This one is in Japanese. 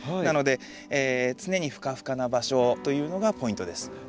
なので常にふかふかな場所というのがポイントです。